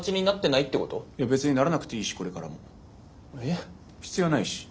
いや別にならなくていいしこれからも。ええっ。